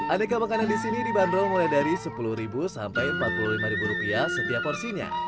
aneka makanan di sini dibanderol mulai dari sepuluh sampai empat puluh lima setiap porsinya